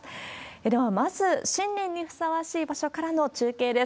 ではまず、新年にふさわしい場所からの中継です。